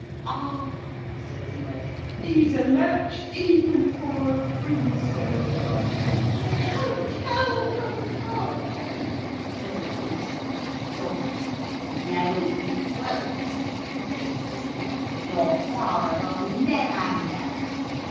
'Ah,' said the nurse, 'he's a match even for a Princess.' 'I'll tell papa,' said the Princess, sobbing. 'No, you won't,' said Taykin. 'Your father will never know.